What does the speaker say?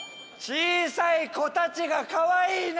小さい子たちがかわいいね！